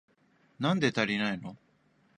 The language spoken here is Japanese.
なんで足りないの？